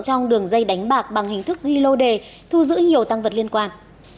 trong đường dây đánh bạc bằng hình thức ghi lô đề thu giữ nhiều tăng vật liên quan